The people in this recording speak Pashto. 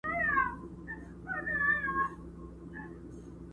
پر هره لویشت اکبر او اڅګري سنګر نیولی!!